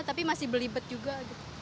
tapi masih belibet juga